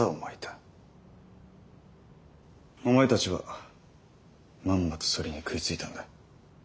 お前たちはまんまとそれに食いついたんだ。